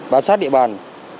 bám sát địa bàn